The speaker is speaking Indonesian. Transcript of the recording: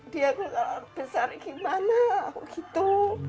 dia kalau besar gimana aku gitu